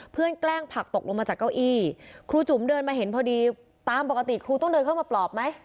แกล้งผักตกลงมาจากเก้าอี้ครูจุ๋มเดินมาเห็นพอดีตามปกติครูต้องเดินเข้ามาปลอบไหม